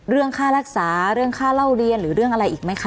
เรื่องค่ารักษาเรื่องค่าเล่าเรียนหรือเรื่องอะไรอีกไหมคะ